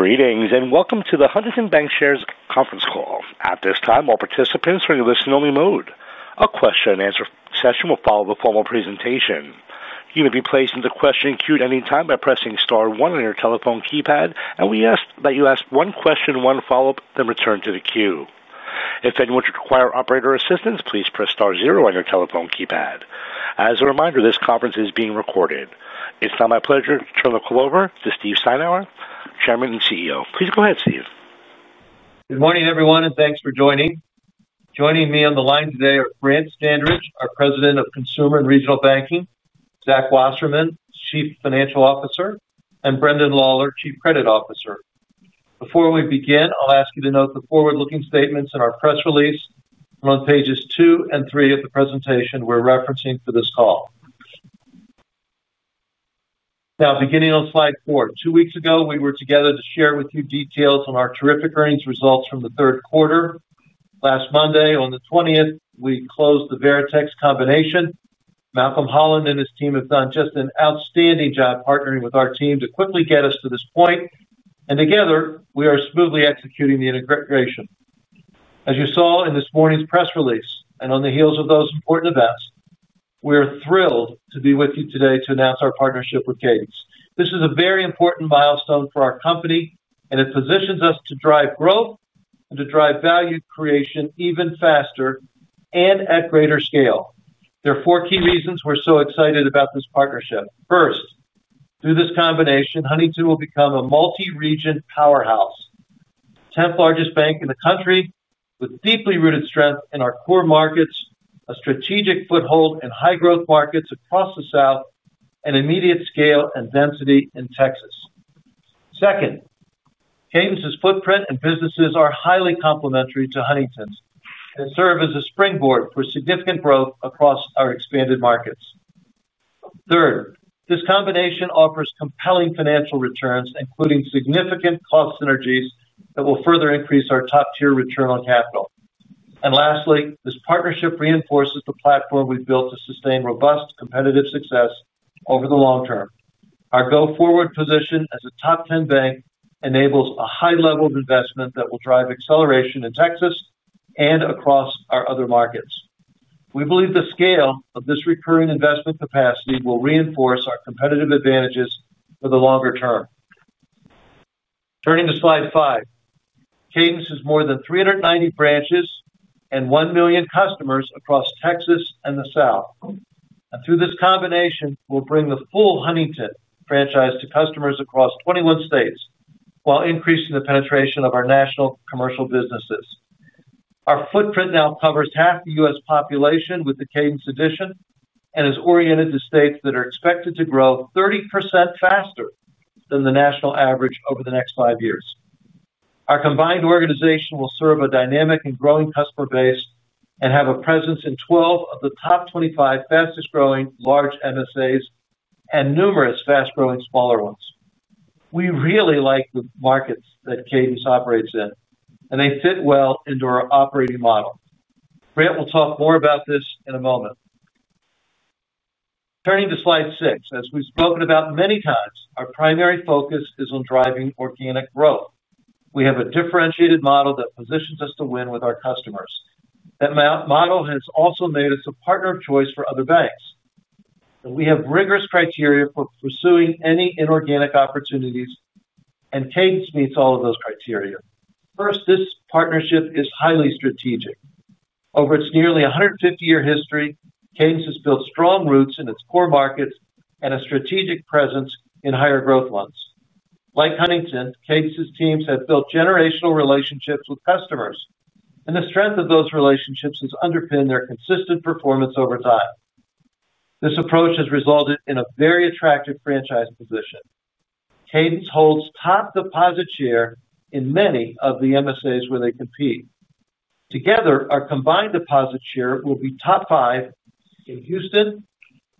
Greetings and welcome to the Huntington Bancshares Conference Call. At this time, all participants are in a listen-only mode. A question and answer session will follow the formal presentation. You may be placed into questioning queue at any time by pressing star one on your telephone keypad, and we ask that you ask one question, one follow-up, then return to the queue. If anyone should require operator assistance, please press star zero on your telephone keypad. As a reminder, this conference is being recorded. It's now my pleasure to turn the call over to Steve Steinour, Chairman and CEO. Please go ahead, Steve. Good morning, everyone, and thanks for joining. Joining me on the line today are Brant Standridge, our President of Consumer and Regional Banking, Zachary Wasserman, Chief Financial Officer, and Brendan Lawlor, Chief Credit Officer. Before we begin, I'll ask you to note the forward-looking statements in our press release on pages two and three of the presentation we're referencing for this call. Now, beginning on slide four, two weeks ago, we were together to share with you details on our terrific earnings results from the third quarter. Last Monday, on the 20th, we closed the Veritex combination. Malcolm Holland and his team have done just an outstanding job partnering with our team to quickly get us to this point, and together, we are smoothly executing the integration. As you saw in this morning's press release and on the heels of those important events, we are thrilled to be with you today to announce our partnership with Cadence. This is a very important milestone for our company, and it positions us to drive growth and to drive value creation even faster and at greater scale. There are four key reasons we're so excited about this partnership. First, through this combination, Huntington will become a multi-region powerhouse, the 10th largest bank in the country, with deeply rooted strength in our core markets, a strategic foothold in high-growth markets across the South, and immediate scale and density in Texas. Second, Cadence's footprint and businesses are highly complementary to Huntington's, and serve as a springboard for significant growth across our expanded markets. Third, this combination offers compelling financial returns, including significant cost synergies that will further increase our top-tier return on capital. Lastly, this partnership reinforces the platform we've built to sustain robust competitive success over the long term. Our go-forward position as a top 10 bank enables a high level of investment that will drive acceleration in Texas and across our other markets. We believe the scale of this recurring investment capacity will reinforce our competitive advantages for the longer term. Turning to slide five, Cadence has more than 390 branches and 1 million customers across Texas and the South. Through this combination, we'll bring the full Huntington franchise to customers across 21 states while increasing the penetration of our national commercial businesses. Our footprint now covers half the U.S. population with the Cadence addition and is oriented to states that are expected to grow 30% faster than the national average over the next five years. Our combined organization will serve a dynamic and growing customer base and have a presence in 12 of the top 25 fastest growing large MSAs and numerous fast growing smaller ones. We really like the markets that Cadence operates in, and they fit well into our operating model. Brant will talk more about this in a moment. Turning to slide six, as we've spoken about many times, our primary focus is on driving organic growth. We have a differentiated model that positions us to win with our customers. That model has also made us a partner of choice for other banks. We have rigorous criteria for pursuing any inorganic opportunities, and Cadence meets all of those criteria. First, this partnership is highly strategic. Over its nearly 150-year history, Cadence has built strong roots in its core markets and a strategic presence in higher growth ones. Like Huntington, Cadence's teams have built generational relationships with customers, and the strength of those relationships has underpinned their consistent performance over time. This approach has resulted in a very attractive franchise position. Cadence holds top deposit share in many of the MSAs where they compete. Together, our combined deposit share will be top five in Houston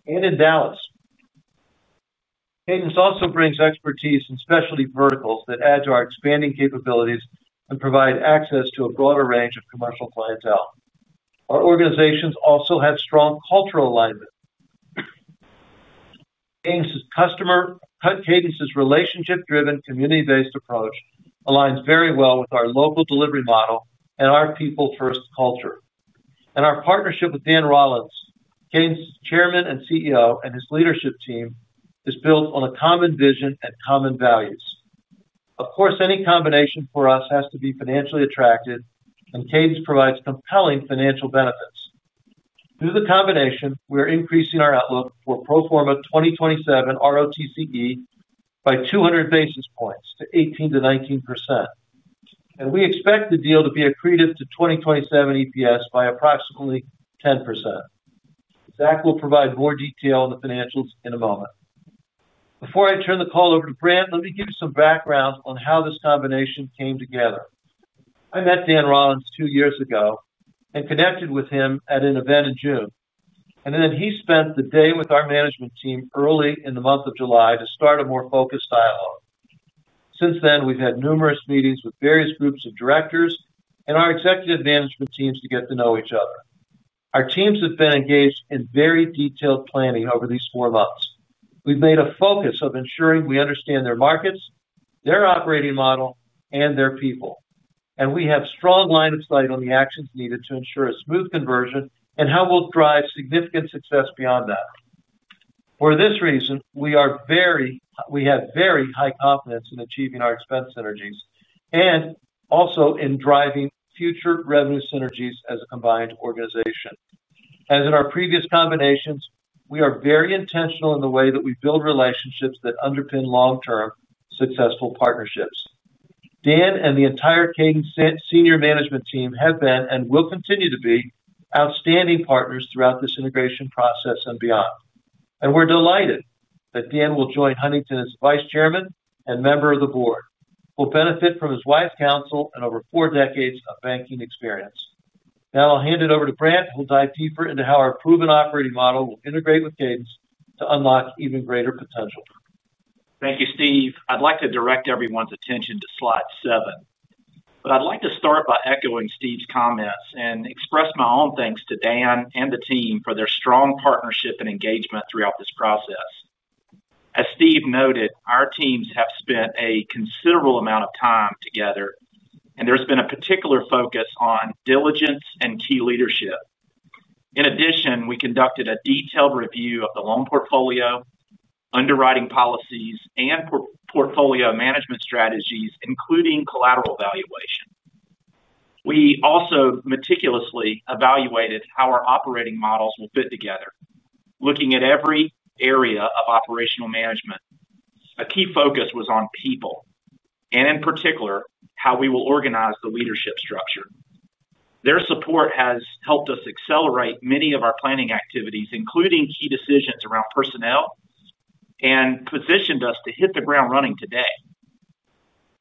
and in Dallas. Cadence also brings expertise in specialty verticals that add to our expanding capabilities and provide access to a broader range of commercial clientele. Our organizations also have strong cultural alignment. Cadence's relationship-driven community-based approach aligns very well with our local delivery model and our people-first culture. Our partnership with Dan Rollins, Cadence's Chairman and CEO, and his leadership team is built on a common vision and common values. Of course, any combination for us has to be financially attractive, and Cadence provides compelling financial benefits. Through the combination, we are increasing our outlook for pro forma 2027 ROTCE by 200 basis points to 18-19%. We expect the deal to be accretive to 2027 EPS by approximately 10%. Zach will provide more detail on the financials in a moment. Before I turn the call over to Brant, let me give you some background on how this combination came together. I met Dan Rollins two years ago and connected with him at an event in June. He spent the day with our management team early in the month of July to start a more focused dialogue. Since then, we've had numerous meetings with various groups of directors and our executive management teams to get to know each other. Our teams have been engaged in very detailed planning over these four months. We have made a focus of ensuring we understand their markets, their operating model, and their people. We have a strong line of sight on the actions needed to ensure a smooth conversion and how we'll drive significant success beyond that. For this reason, we have very high confidence in achieving our expense synergies and also in driving future revenue synergies as a combined organization. As in our previous combinations, we are very intentional in the way that we build relationships that underpin long-term successful partnerships. Dan and the entire Cadence senior management team have been and will continue to be outstanding partners throughout this integration process and beyond. We are delighted that Dan will join Huntington as Vice Chairman and Member of the Board. He'll benefit from his wife's counsel and over four decades of banking experience. Now I'll hand it over to Brant, who'll dive deeper into how our proven operating model will integrate with Cadence to unlock even greater potential. Thank you, Steve. I'd like to direct everyone's attention to slide seven. I'd like to start by echoing Steve's comments and express my own thanks to Dan and the team for their strong partnership and engagement throughout this process. As Steve noted, our teams have spent a considerable amount of time together, and there's been a particular focus on diligence and key leadership. In addition, we conducted a detailed review of the loan portfolio, underwriting policies, and portfolio management strategies, including collateral valuation. We also meticulously evaluated how our operating models will fit together, looking at every area of operational management. A key focus was on people and, in particular, how we will organize the leadership structure. Their support has helped us accelerate many of our planning activities, including key decisions around personnel, and positioned us to hit the ground running today.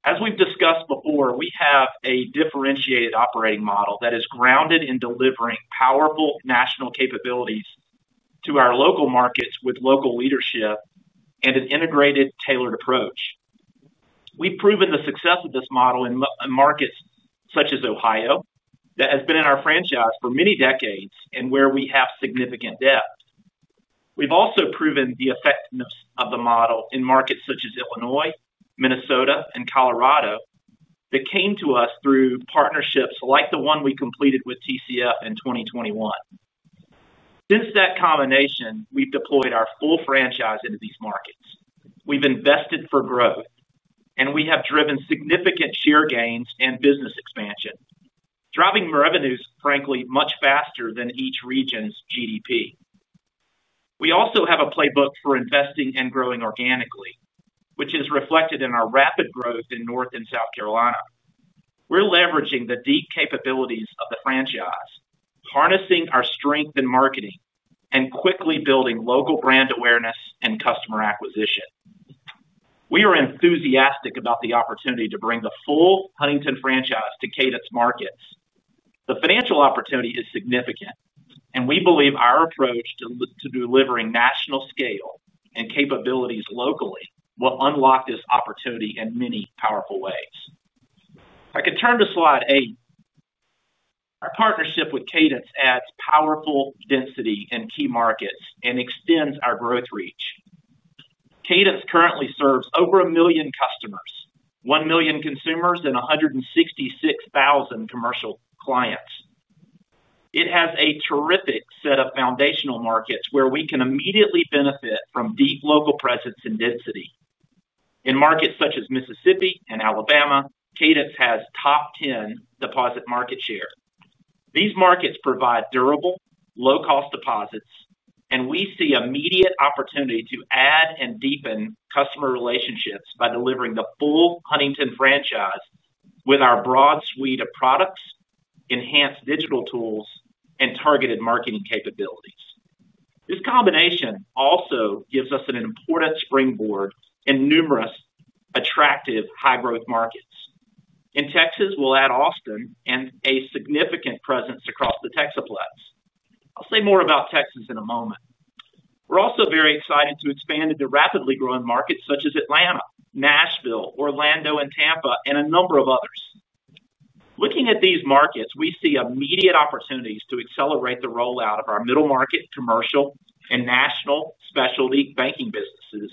As we've discussed before, we have a differentiated operating model that is grounded in delivering powerful national capabilities to our local markets with local leadership and an integrated tailored approach. We've proven the success of this model in markets such as Ohio, that has been in our franchise for many decades and where we have significant depth. We've also proven the effectiveness of the model in markets such as Illinois, Minnesota, and Colorado that came to us through partnerships like the one we completed with TCF in 2021. Since that combination, we've deployed our full franchise into these markets. We've invested for growth, and we have driven significant share gains and business expansion, driving revenues, frankly, much faster than each region's GDP. We also have a playbook for investing and growing organically, which is reflected in our rapid growth in North and South Carolina. We're leveraging the deep capabilities of the franchise, harnessing our strength in marketing, and quickly building local brand awareness and customer acquisition. We are enthusiastic about the opportunity to bring the full Huntington franchise to Cadence markets. The financial opportunity is significant, and we believe our approach to delivering national scale and capabilities locally will unlock this opportunity in many powerful ways. I can turn to slide eight. Our partnership with Cadence adds powerful density in key markets and extends our growth reach. Cadence currently serves over a million customers, 1 million consumers, and 166,000 commercial clients. It has a terrific set of foundational markets where we can immediately benefit from deep local presence and density. In markets such as Mississippi and Alabama, Cadence has top 10 deposit market share. These markets provide durable, low-cost deposits, and we see immediate opportunity to add and deepen customer relationships by delivering the full Huntington franchise with our broad suite of products, enhanced digital tools, and targeted marketing capabilities. This combination also gives us an important springboard in numerous attractive high-growth markets. In Texas, we'll add Austin and a significant presence across the Texas flats. I'll say more about Texas in a moment. We're also very excited to expand into rapidly growing markets such as Atlanta, Nashville, Orlando, and Tampa, and a number of others. Looking at these markets, we see immediate opportunities to accelerate the rollout of our middle market commercial and national specialty banking businesses,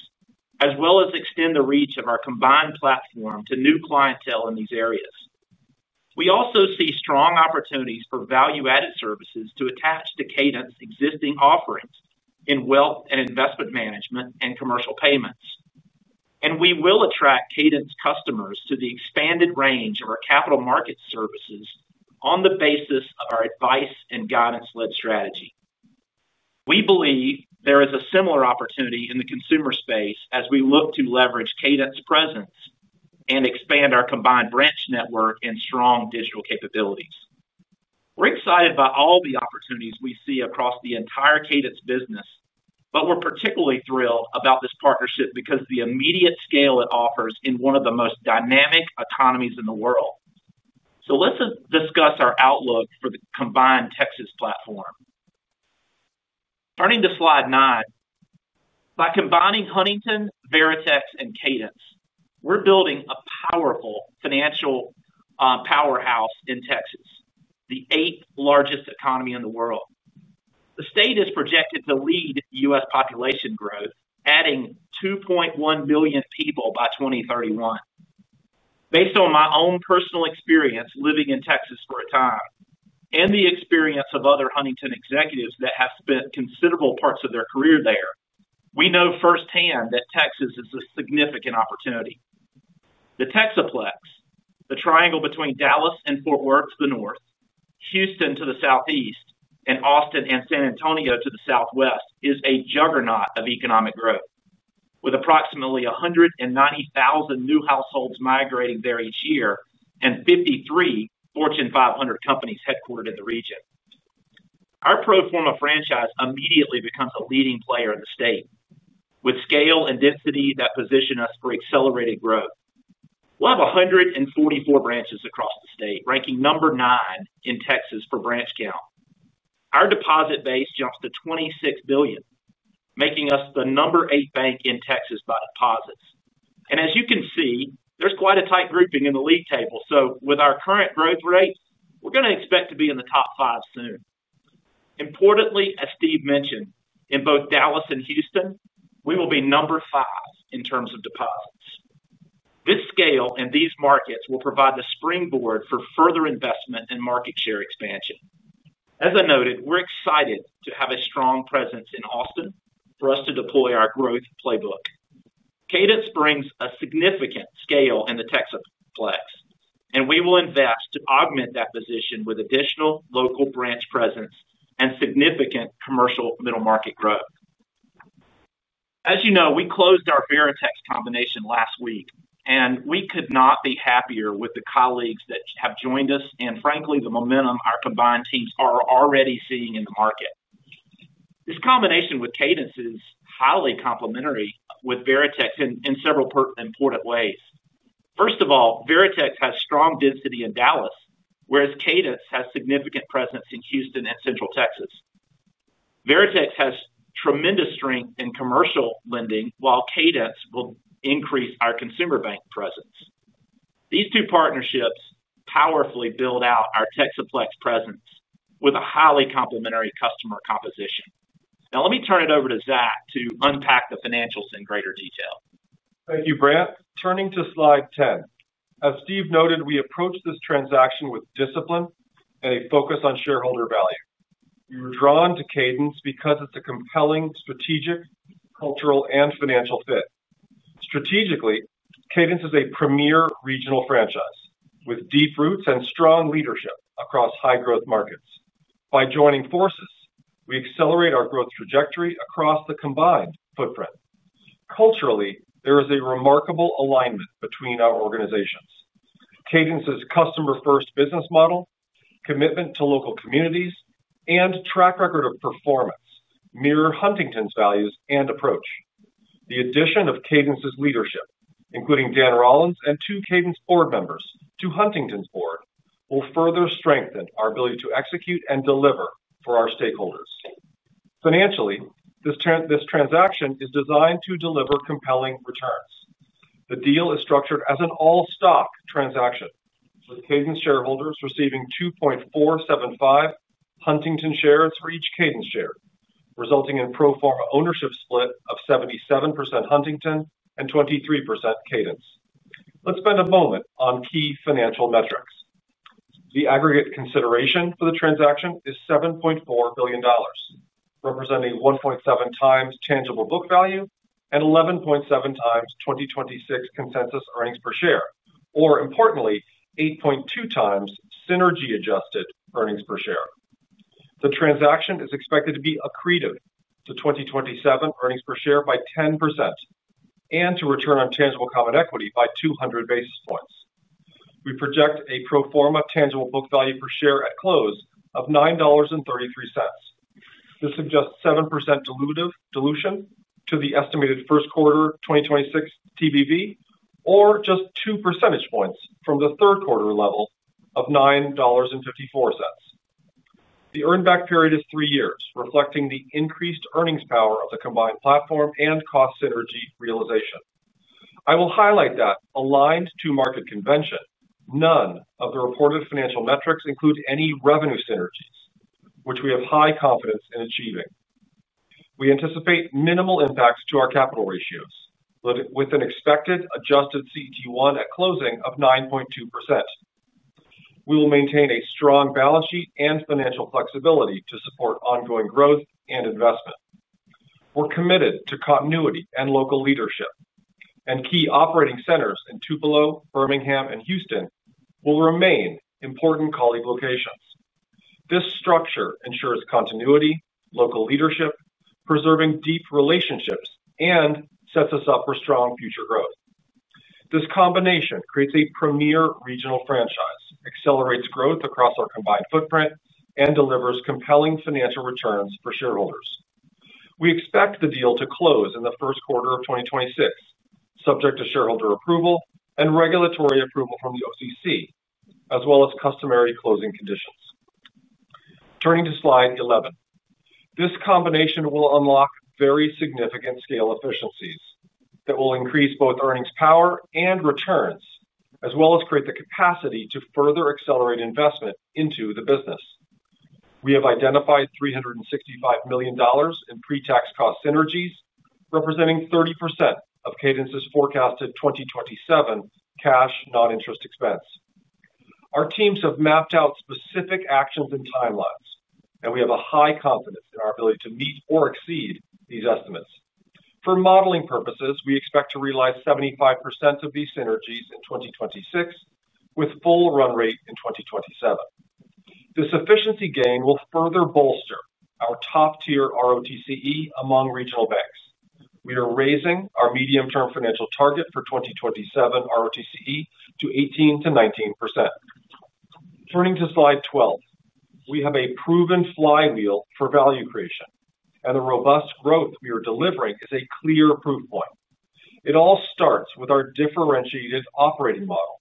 as well as extend the reach of our combined platform to new clientele in these areas. We also see strong opportunities for value-added services to attach to Cadence's existing offerings in wealth and investment management and commercial payments. We will attract Cadence customers to the expanded range of our capital market services on the basis of our advice and guidance-led strategy. We believe there is a similar opportunity in the consumer space as we look to leverage Cadence's presence and expand our combined branch network and strong digital capabilities. We're excited by all the opportunities we see across the entire Cadence business, but we're particularly thrilled about this partnership because of the immediate scale it offers in one of the most dynamic economies in the world. Let's discuss our outlook for the combined Texas platform. Turning to slide nine, by combining Huntington, Veritex, and Cadence, we're building a powerful financial powerhouse in Texas, the eighth largest economy in the world. The state is projected to lead U.S. population growth, adding 2.1 million people by 2031. Based on my own personal experience living in Texas for a time and the experience of other Huntington executives that have spent considerable parts of their career there, we know firsthand that Texas is a significant opportunity. The Texaplex, the triangle between Dallas and Fort Worth to the north, Houston to the southeast, and Austin and San Antonio to the southwest, is a juggernaut of economic growth, with approximately 190,000 new households migrating there each year and 53 Fortune 500 companies headquartered in the region. Our pro forma franchise immediately becomes a leading player in the state, with scale and density that position us for accelerated growth. We'll have 144 branches across the state, ranking number nine in Texas for branch count. Our deposit base jumps to $26 billion, making us the number eight bank in Texas by deposits. As you can see, there's quite a tight grouping in the league table. With our current growth rate, we're going to expect to be in the top five soon. Importantly, as Steve mentioned, in both Dallas and Houston, we will be number five in terms of deposits. This scale and these markets will provide the springboard for further investment and market share expansion. As I noted, we're excited to have a strong presence in Austin for us to deploy our growth playbook. Cadence brings a significant scale in the Texaplex, and we will invest to augment that position with additional local branch presence and significant commercial middle market growth. As you know, we closed our Veritex combination last week, and we could not be happier with the colleagues that have joined us and, frankly, the momentum our combined teams are already seeing in the market. This combination with Cadence is highly complementary with Veritex in several important ways. First of all, Veritex has strong density in Dallas, whereas Cadence has significant presence in Houston and Central Texas. Veritex has tremendous strength in commercial lending, while Cadence will increase our consumer bank presence. These two partnerships powerfully build out our Texaplex presence with a highly complementary customer composition. Now let me turn it over to Zach to unpack the financials in greater detail. Thank you, Brant. Turning to slide 10. As Steve noted, we approach this transaction with discipline and a focus on shareholder value. We were drawn to Cadence because it's a compelling strategic, cultural, and financial fit. Strategically, Cadence is a premier regional franchise with deep roots and strong leadership across high-growth markets. By joining forces, we accelerate our growth trajectory across the combined footprint. Culturally, there is a remarkable alignment between our organizations. Cadence's customer-first business model, commitment to local communities, and track record of performance mirror Huntington's values and approach. The addition of Cadence's leadership, including Dan Rollins and two Cadence board members to Huntington's board, will further strengthen our ability to execute and deliver for our stakeholders. Financially, this transaction is designed to deliver compelling returns. The deal is structured as an all-stock transaction, with Cadence shareholders receiving $2.475 Huntington shares for each Cadence share, resulting in pro forma ownership split of 77% Huntington and 23% Cadence. Let's spend a moment on key financial metrics. The aggregate consideration for the transaction is $7.4 billion, representing 1.7x tangible book value and 11.7x 2026 consensus earnings per share, or importantly, 8.2x Synergy-adjusted earnings per share. The transaction is expected to be accretive to 2027 earnings per share by 10% and to return on tangible common equity by 200 basis points. We project a pro forma tangible book value per share at close of $9.33. This suggests 7% dilution to the estimated first quarter 2026 TBV or just 2 percentage points from the third quarter level of $9.54. The earn-back period is three years, reflecting the increased earnings power of the combined platform and cost synergy realization. I will highlight that, aligned to market convention, none of the reported financial metrics includes any revenue synergies, which we have high confidence in achieving. We anticipate minimal impacts to our capital ratios, with an expected adjusted CET1 at closing of 9.2%. We will maintain a strong balance sheet and financial flexibility to support ongoing growth and investment. We're committed to continuity and local leadership, and key operating centers in Tupelo, Birmingham, and Houston will remain important colleague locations. This structure ensures continuity, local leadership, preserving deep relationships, and sets us up for strong future growth. This combination creates a premier regional franchise, accelerates growth across our combined footprint, and delivers compelling financial returns for shareholders. We expect the deal to close in the first quarter of 2026, subject to shareholder approval and regulatory approval from the OCC, as well as customary closing conditions. Turning to slide 11, this combination will unlock very significant scale efficiencies that will increase both earnings power and returns, as well as create the capacity to further accelerate investment into the business. We have identified $365 million in pre-tax cost synergies, representing 30% of Cadence's forecasted 2027 cash non-interest expense. Our teams have mapped out specific actions and timelines, and we have a high confidence in our ability to meet or exceed these estimates. For modeling purposes, we expect to realize 75% of these synergies in 2026, with full run rate in 2027. This efficiency gain will further bolster our top-tier ROTCE among regional banks. We are raising our medium-term financial target for 2027 ROTCE to 18%-19%. Turning to slide 12, we have a proven flywheel for value creation, and the robust growth we are delivering is a clear proof point. It all starts with our differentiated operating model.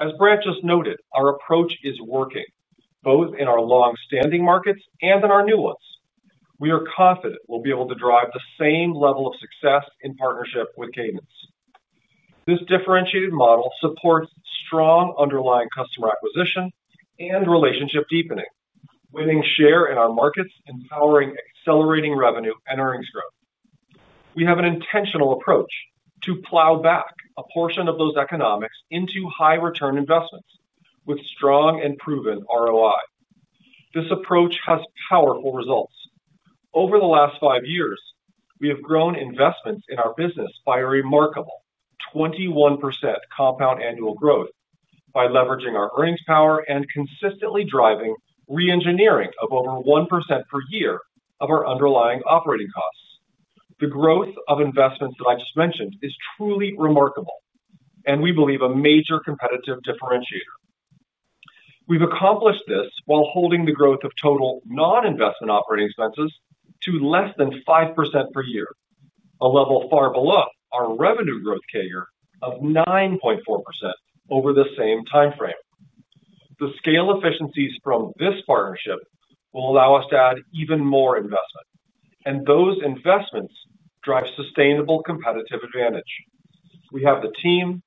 As Brant just noted, our approach is working both in our long-standing markets and in our new ones. We are confident we'll be able to drive the same level of success in partnership with Cadence. This differentiated model supports strong underlying customer acquisition and relationship deepening, winning share in our markets, empowering accelerating revenue and earnings growth. We have an intentional approach to plow back a portion of those economics into high-return investments with strong and proven ROI. This approach has powerful results. Over the last five years, we have grown investments in our business by a remarkable 21% compound annual growth by leveraging our earnings power and consistently driving re-engineering of over 1% per year of our underlying operating costs. The growth of investments that I just mentioned is truly remarkable and we believe a major competitive differentiator. We've accomplished this while holding the growth of total non-investment operating expenses to less than 5% per year, a level far below our revenue growth carrier of 9.4% over the same timeframe. The scale efficiencies from this partnership will allow us to add even more investment, and those investments drive sustainable competitive advantage. We have the team,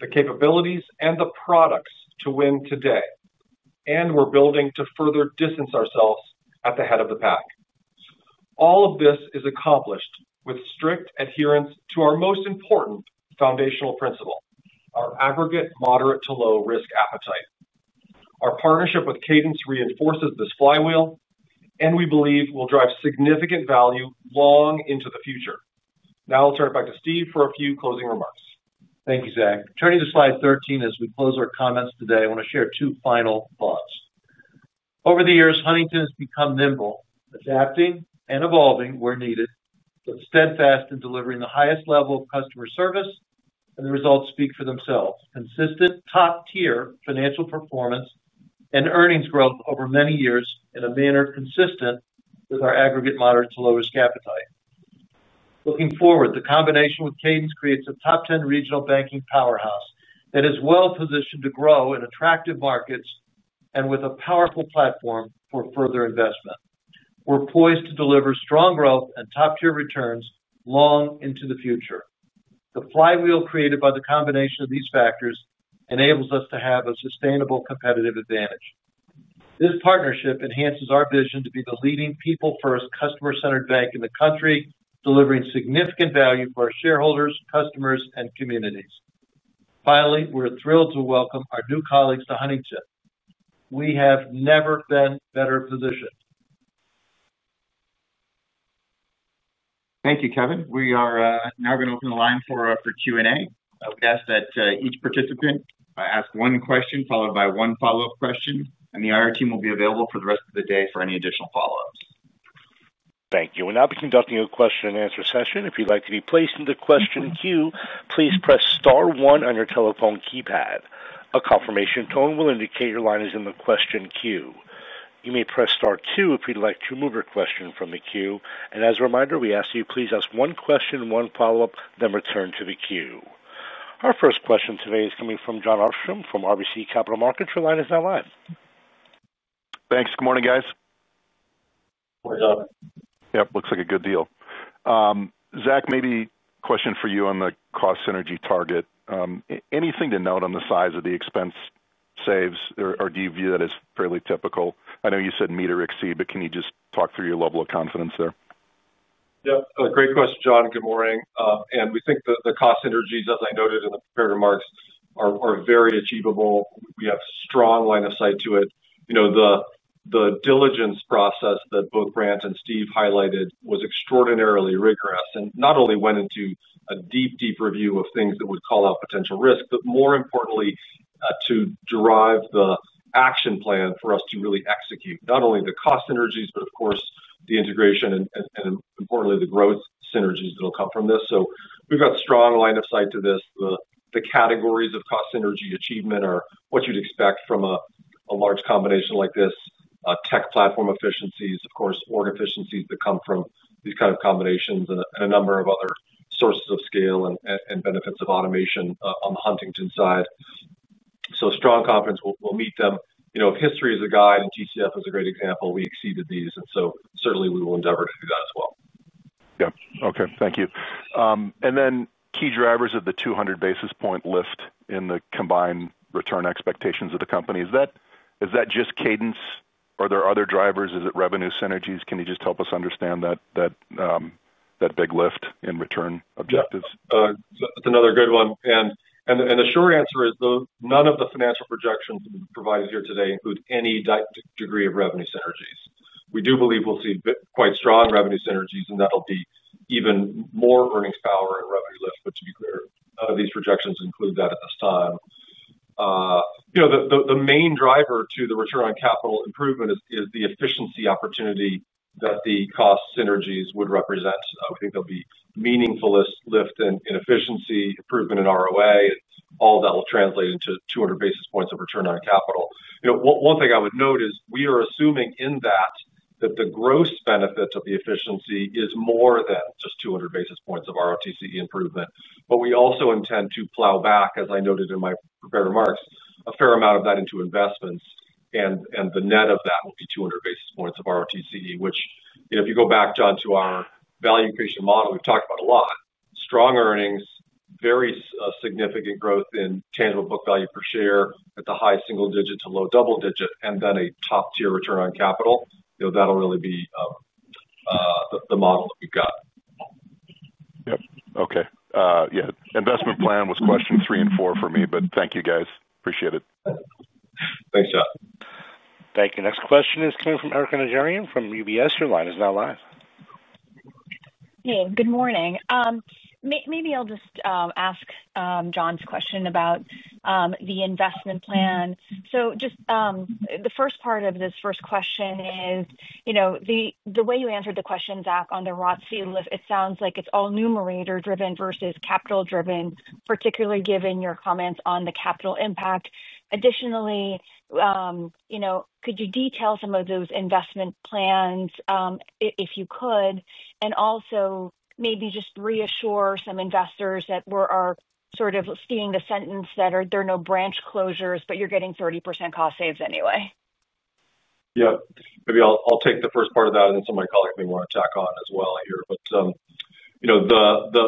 the capabilities, and the products to win today, and we're building to further distance ourselves at the head of the pack. All of this is accomplished with strict adherence to our most important foundational principle, our aggregate moderate to low-risk appetite. Our partnership with Cadence reinforces this flywheel, and we believe we'll drive significant value long into the future. Now I'll turn it back to Steve for a few closing remarks. Thank you, Zach. Turning to slide 13 as we close our comments today, I want to share two final thoughts. Over the years, Huntington has become nimble, adapting and evolving where needed, but steadfast in delivering the highest level of customer service, and the results speak for themselves: consistent top-tier financial performance and earnings growth over many years in a manner consistent with our aggregate moderate to low-risk appetite. Looking forward, the combination with Cadence creates a top 10 regional banking powerhouse that is well-positioned to grow in attractive markets and with a powerful platform for further investment. We're poised to deliver strong growth and top-tier returns long into the future. The flywheel created by the combination of these factors enables us to have a sustainable competitive advantage. This partnership enhances our vision to be the leading people-first, customer-centered bank in the country, delivering significant value for our shareholders, customers, and communities. Finally, we're thrilled to welcome our new colleagues to Huntington. We have never been better positioned. Thank you, Kevin. We are now going to open the line for Q&A. We ask that each participant ask one question followed by one follow-up question, and the IR team will be available for the rest of the day for any additional follow-ups. Thank you. We'll now be conducting a question and answer session. If you'd like to be placed into the question queue, please press star one on your telephone keypad. A confirmation tone will indicate your line is in the question queue. You may press star two if you'd like to remove your question from the queue. As a reminder, we ask that you please ask one question, one follow-up, then return to the queue. Our first question today is coming from Jon Arfstrom from RBC Capital Markets. Your line is now live. Thanks. Good morning, guys. Morning, Jon. Yep, looks like a good deal. Zach, maybe a question for you on the cost synergy target. Anything to note on the size of the expense saves? Or do you view that as fairly typical? I know you said meet or exceed, but can you just talk through your level of confidence there? Yep. Great question, Jon. Good morning. We think that the cost synergies, as I noted in the prepared remarks, are very achievable. We have a strong line of sight to it. The diligence process that both Brant and Steve highlighted was extraordinarily rigorous and not only went into a deep, deep review of things that would call out potential risks, but more importantly, to derive the action plan for us to really execute not only the cost synergies, but of course, the integration and, importantly, the growth synergies that will come from this. We've got a strong line of sight to this. The categories of cost synergy achievement are what you'd expect from a large combination like this: tech platform efficiencies, of course, org efficiencies that come from these kind of combinations, and a number of other sources of scale and benefits of automation on the Huntington side. Strong confidence we'll meet them. If history is a guide and TCF is a great example, we exceeded these. Certainly, we will endeavor to do that as well. Okay. Thank you. And then key drivers of the 200 basis point lift in the combined return expectations of the company, is that just Cadence? Are there other drivers? Is it revenue synergies? Can you just help us understand that big lift in return objectives? Yeah. That's another good one. The short answer is none of the financial projections provided here today include any degree of revenue synergies. We do believe we'll see quite strong revenue synergies, and that'll be even more earnings power and revenue lift. To be clear, none of these projections include that at this time. You know, the main driver to the return on capital improvement is the efficiency opportunity that the cost synergies would represent. We think there'll be meaningful lift in efficiency, improvement in ROA, and all that will translate into 200 basis points of return on capital. One thing I would note is we are assuming in that that the gross benefit of the efficiency is more than just 200 basis points of ROTCE improvement. We also intend to plow back, as I noted in my prepared remarks, a fair amount of that into investments, and the net of that will be 200 basis points of ROTCE, which, you know, if you go back, Jon, to our value creation model, we've talked about a lot: strong earnings, very significant growth in tangible book value per share at the high single digit to low double digit, and then a top-tier return on capital. That'll really be the model that we've got. Okay. Yeah, investment plan was question three and four for me, but thank you, guys. Appreciate it. Thanks, Jon. Thank you. Next question is coming from Erika Najarian from UBS. Your line is now live. Hey, good morning. Maybe I'll just ask Jon's question about the investment plan. Just the first part of this first question is, you know, the way you answered the question, Zach, on the ROTCE lift, it sounds like it's all numerator-driven versus capital-driven, particularly given your comments on the capital impact. Additionally, could you detail some of those investment plans if you could? Also, maybe just reassure some investors that we are sort of seeing the sentence that there are no branch closures, but you're getting 30% cost saves anyway. Maybe I'll take the first part of that, and then some of my colleagues may want to tack on as well here.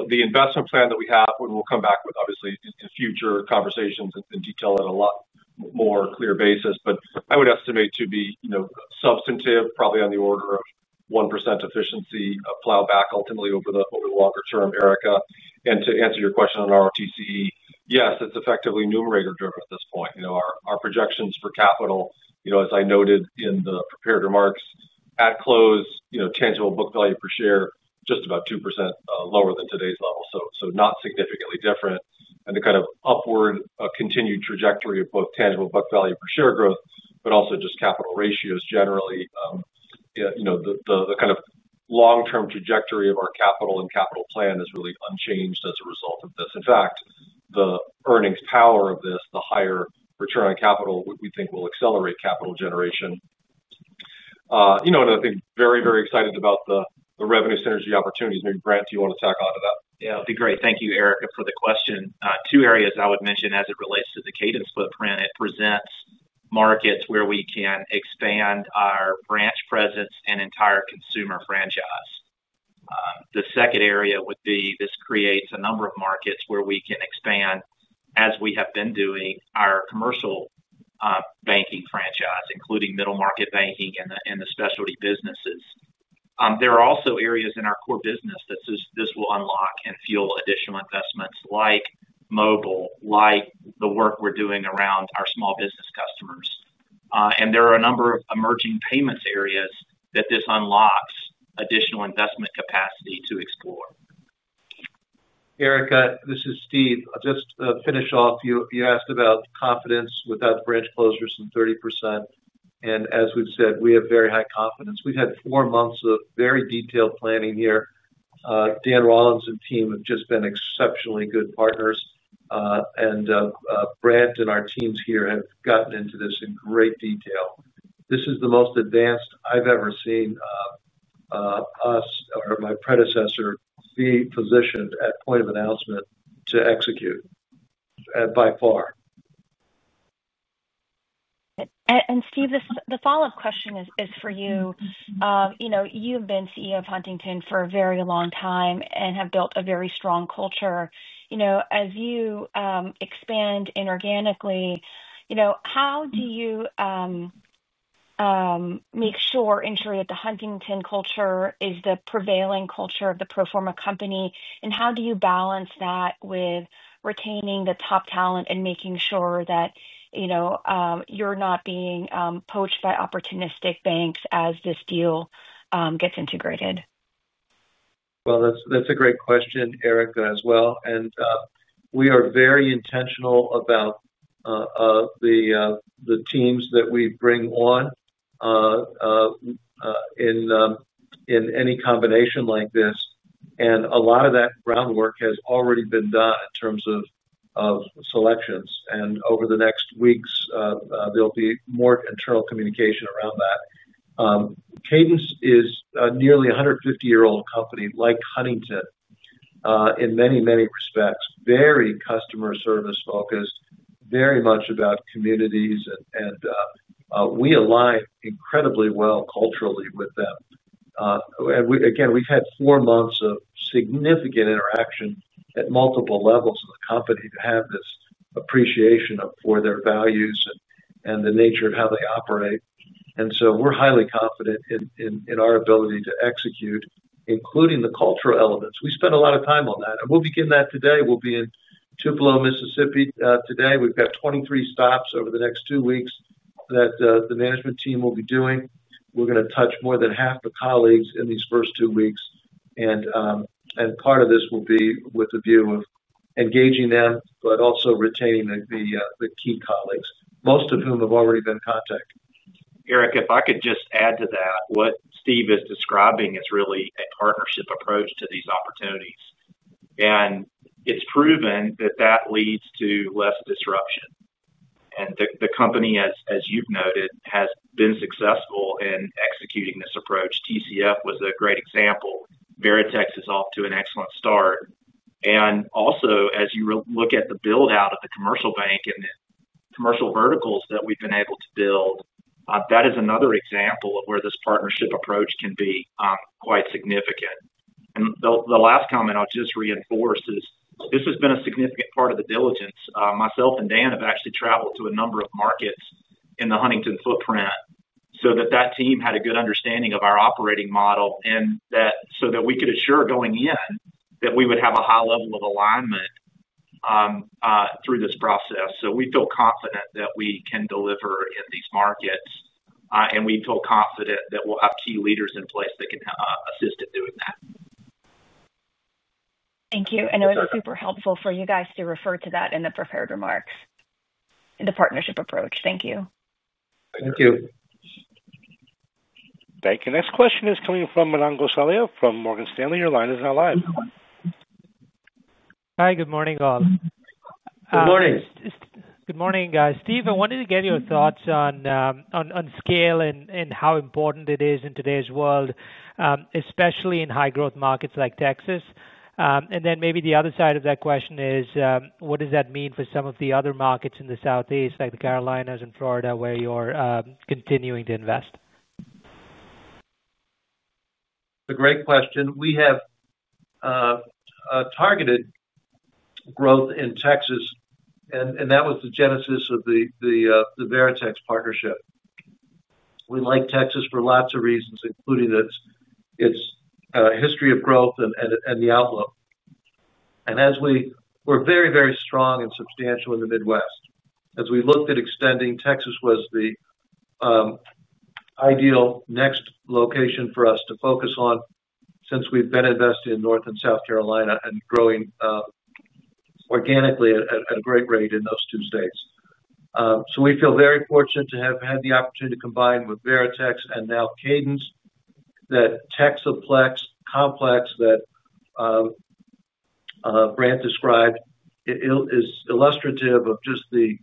The investment plan that we have, and we'll come back with obviously in future conversations and detail it on a lot more clear basis, but I would estimate to be substantive, probably on the order of 1% efficiency plow back ultimately over the longer term, Erika. To answer your question on ROTCE, yes, it's effectively numerator-driven at this point. Our projections for capital, as I noted in the prepared remarks, at close, tangible book value per share, just about 2% lower than today's level, so not significantly different. The kind of upward continued trajectory of both tangible book value per share growth, but also just capital ratios generally, the kind of long-term trajectory of our capital and capital plan is really unchanged as a result of this. In fact, the earnings power of this, the higher return on capital, we think will accelerate capital generation. I think very, very excited about the revenue synergy opportunities. Maybe Brant, do you want to tack on to that? Yeah, it'd be great. Thank you, Erika, for the question. Two areas I would mention as it relates to the Cadence footprint. It presents markets where we can expand our branch presence and entire consumer franchise. The second area would be this creates a number of markets where we can expand, as we have been doing, our commercial banking franchise, including middle market banking and the specialty businesses. There are also areas in our core business that this will unlock and fuel additional investments, like mobile, like the work we're doing around our small business customers. There are a number of emerging payments areas that this unlocks additional investment capacity to explore. Erika, this is Steve. I'll just finish off. You asked about confidence without branch closures and 30%. As we've said, we have very high confidence. We've had four months of very detailed planning here. Dan Rollins and team have just been exceptionally good partners. Brant and our teams here have gotten into this in great detail. This is the most advanced I've ever seen us or my predecessor be positioned at point of announcement to execute by far. Steve, the follow-up question is for you. You've been CEO of Huntington for a very long time and have built a very strong culture. As you expand inorganically, how do you make sure ensuring that the Huntington culture is the prevailing culture of the pro forma company? How do you balance that with retaining the top talent and making sure that you're not being poached by opportunistic banks as this deal gets integrated? That's a great question, Erika, as well. We are very intentional about the teams that we bring on in any combination like this. A lot of that groundwork has already been done in terms of selections. Over the next weeks, there'll be more internal communication around that. Cadence is a nearly 150-year-old company like Huntington in many, many respects, very customer service-focused, very much about communities. We align incredibly well culturally with them. We've had four months of significant interaction at multiple levels of the company to have this appreciation for their values and the nature of how they operate. We are highly confident in our ability to execute, including the cultural elements. We spent a lot of time on that. We'll begin that today. We'll be in Tupelo, Mississippi today. We've got 23 stops over the next two weeks that the management team will be doing. We're going to touch more than half the colleagues in these first two weeks. Part of this will be with a view of engaging them, but also retaining the key colleagues, most of whom have already been contacted. Erika, if I could just add to that, what Steve is describing is really a partnership approach to these opportunities. It's proven that that leads to less disruption, and the company, as you've noted, has been successful in executing this approach. TCF was a great example. Veritex is off to an excellent start. Also, as you look at the build-out of the commercial bank and the commercial verticals that we've been able to build, that is another example of where this partnership approach can be quite significant. The last comment I'll just reinforce is this has been a significant part of the diligence. Myself and Dan have actually traveled to a number of markets in the Huntington footprint so that team had a good understanding of our operating model and so that we could assure going in that we would have a high level of alignment through this process. We feel confident that we can deliver in these markets, and we feel confident that we'll have key leaders in place that can assist in doing that. Thank you. It was super helpful for you guys to refer to that in the prepared remarks, the partnership approach. Thank you. Thank you. Thank you. Next question is coming from Morgan Stanley. Your line is now live. Hi, good morning all. Good morning. Good morning, guys. Steve, I wanted to get your thoughts on scale and how important it is in today's world, especially in high-growth markets like Texas. Maybe the other side of that question is, what does that mean for some of the other markets in the Southeast, like the Carolinas and Florida, where you're continuing to invest? It's a great question. We have targeted growth in Texas, and that was the genesis of the Veritex partnership. We like Texas for lots of reasons, including its history of growth and the outlook. As we were very, very strong and substantial in the Midwest, as we looked at extending, Texas was the ideal next location for us to focus on since we've been investing in North and South Carolina and growing organically at a great rate in those two states. We feel very fortunate to have had the opportunity to combine with Veritex and now Cadence. That Texaplex complex that Brant Standridge described is illustrative of just the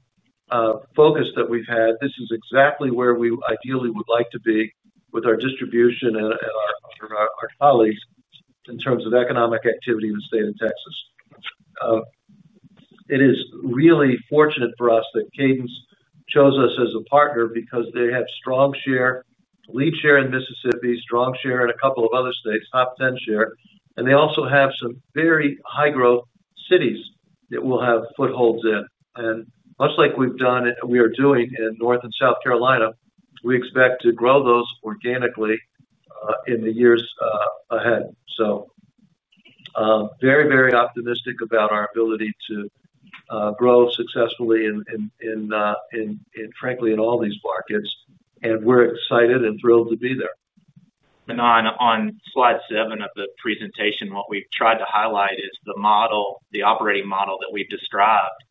focus that we've had. This is exactly where we ideally would like to be with our distribution and our colleagues in terms of economic activity in the state of Texas. It is really fortunate for us that Cadence chose us as a partner because they have strong share, lead share in Mississippi, strong share in a couple of other states, top 10 share, and they also have some very high-growth cities that we'll have footholds in. Much like we've done and we are doing in North and South Carolina, we expect to grow those organically in the years ahead. We are very, very optimistic about our ability to grow successfully in, frankly, in all these markets. We're excited and thrilled to be there. On slide seven of the presentation, what we've tried to highlight is the model, the operating model that we've described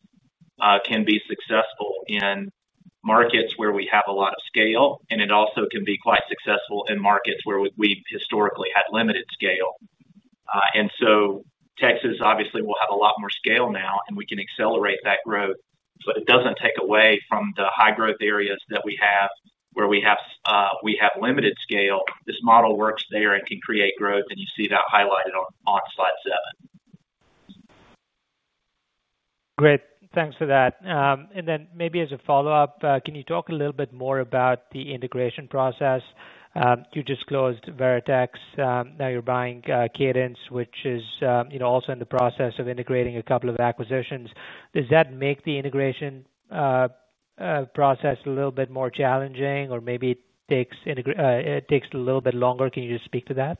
can be successful in markets where we have a lot of scale, and it also can be quite successful in markets where we've historically had limited scale. Texas obviously will have a lot more scale now, and we can accelerate that growth, but it doesn't take away from the high-growth areas that we have where we have limited scale. This model works there and can create growth, and you see that highlighted on slide seven. Great. Thanks for that. Maybe as a follow-up, can you talk a little bit more about the integration process? You just closed Veritex. Now you're buying Cadence, which is also in the process of integrating a couple of acquisitions. Does that make the integration process a little bit more challenging or maybe it takes a little bit longer? Can you just speak to that?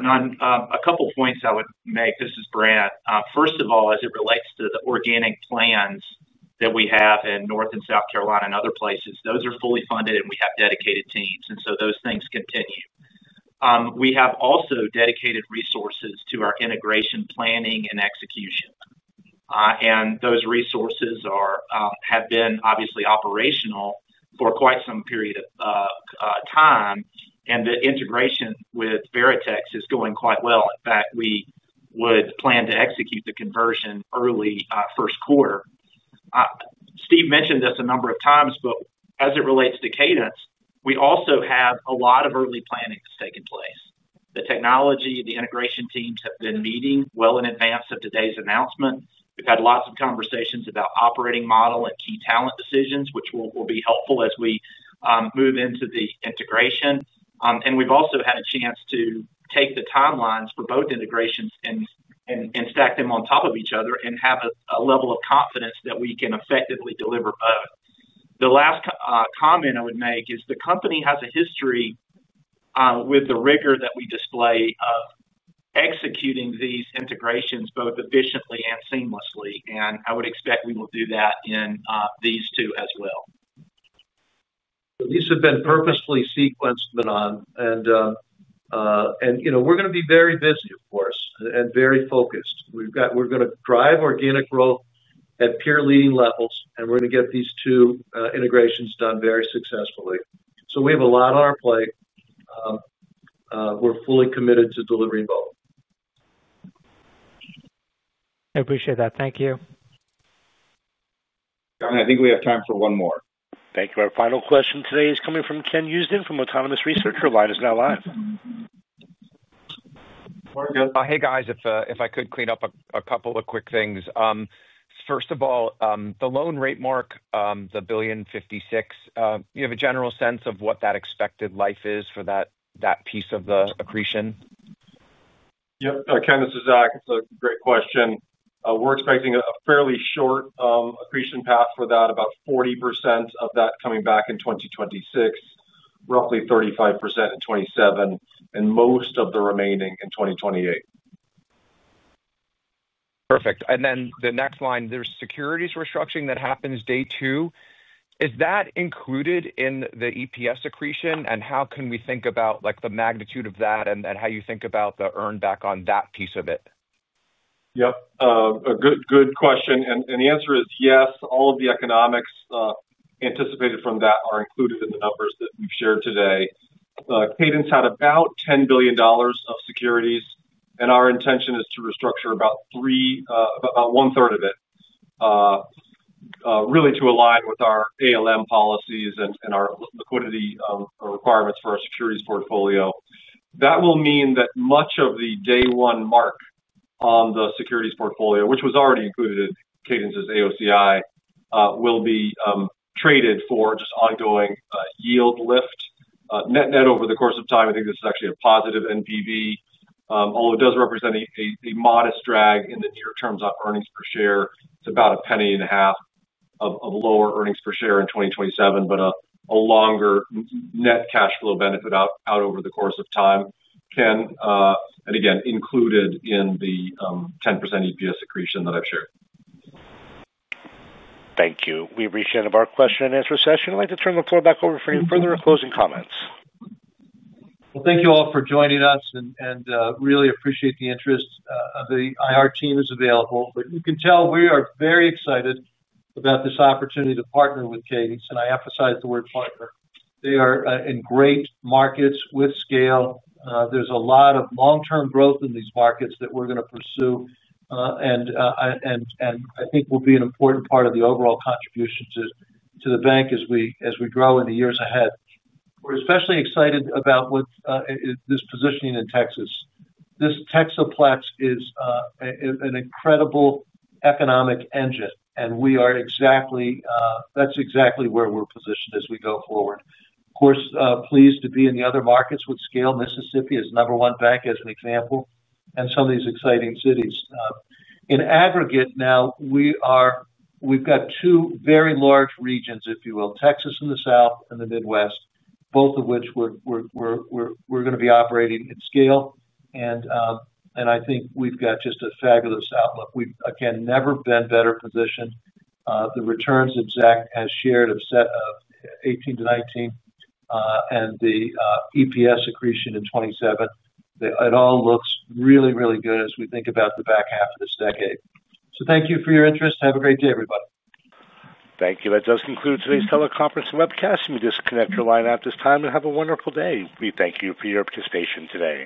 A couple of points I would make. This is Brant. First of all, as it relates to the organic plans that we have in North and South Carolina and other places, those are fully funded and we have dedicated teams, so those things continue. We have also dedicated resources to our integration planning and execution. Those resources have been obviously operational for quite some period of time, and the integration with Veritex is going quite well. In fact, we would plan to execute the conversion early first quarter. Steve mentioned this a number of times, but as it relates to Cadence, we also have a lot of early planning that's taken place. The technology, the integration teams have been meeting well in advance of today's announcement. We've had lots of conversations about operating model and key talent decisions, which will be helpful as we move into the integration. We've also had a chance to take the timelines for both integrations and stack them on top of each other and have a level of confidence that we can effectively deliver both. The last comment I would make is the company has a history with the rigor that we display of executing these integrations both efficiently and seamlessly. I would expect we will do that in these two as well. These have been purposefully sequenced, and you know we're going to be very busy, of course, and very focused. We're going to drive organic growth at peer-leading levels, and we're going to get these two integrations done very successfully. We have a lot on our plate. We're fully committed to delivering both. I appreciate that. Thank you. I think we have time for one more. Thank you. Our final question today is coming from Ken Houston from Autonomous Research. Your line is now live. Hey, guys. If I could clean up a couple of quick things. First of all, the loan rate mark, the $1.056 billion, do you have a general sense of what that expected life is for that piece of the accretion? Yep. Ken, this is Zach. It's a great question. We're expecting a fairly short accretion path for that, about 40% of that coming back in 2026, roughly 35% in 2027, and most of the remaining in 2028. Perfect. The next line, there's securities restructuring that happens day two. Is that included in the EPS accretion? How can we think about the magnitude of that and how you think about the earn-back on that piece of it? Yep. A good question. The answer is yes. All of the economics anticipated from that are included in the numbers that we've shared today. Cadence had about $10 billion of securities, and our intention is to restructure about one-third of it, really to align with our ALM policies and our liquidity requirements for our securities portfolio. That will mean that much of the day-one mark on the securities portfolio, which was already included in Cadence's AOCI, will be traded for just ongoing yield lift, net net over the course of time. I think this is actually a positive NPV, although it does represent a modest drag in the near term on earnings per share. It's about $0.015 of lower earnings per share in 2027, but a longer net cash flow benefit out over the course of time, Ken, and again, included in the 10% EPS accretion that I've shared. Thank you. We appreciate our question and answer session. I'd like to turn the floor back over for any further closing comments. Thank you all for joining us, and really appreciate the interest. The IR team is available, but you can tell we are very excited about this opportunity to partner with Cadence. I emphasize the word partner. They are in great markets with scale. There's a lot of long-term growth in these markets that we're going to pursue, and I think will be an important part of the overall contribution to the bank as we grow in the years ahead. We're especially excited about what this positioning in Texas. This Texaplex is an incredible economic engine, and that's exactly where we're positioned as we go forward. Of course, pleased to be in the other markets with scale. Mississippi is the number one bank, as an example, and some of these exciting cities. In aggregate, now we've got two very large regions, if you will, Texas in the South and the Midwest, both of which we're going to be operating at scale. I think we've got just a fabulous outlook. We've, again, never been better positioned. The returns exact as shared have set of 18-19 and the EPS accretion in 2027. It all looks really, really good as we think about the back half of this decade. Thank you for your interest. Have a great day, everybody. Thank you. That does conclude today's teleconference webcast. You may disconnect your line at this time and have a wonderful day. We thank you for your participation today.